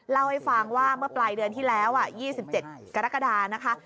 เล่าให้ฟังว่าเมื่อปลายเดือนที่แล้ว๒๗กรกฎานะคะ